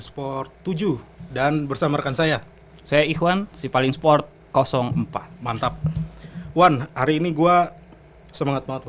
sport tujuh dan bersama rekan saya saya ikhwan si paling sport empat mantap one hari ini gue semangat banget